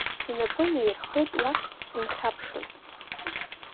Инапы наирххеит, уахь дынхьаԥшын.